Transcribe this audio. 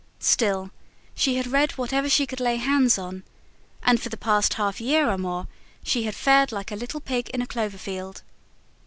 Still, she had read whatever she could lay hands on, and for the past half year or more she had fared like a little pig in a clover field.